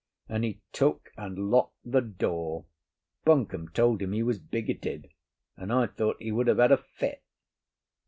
And he took and locked the door. Buncombe told him he was bigoted, and I thought he would have had a fit.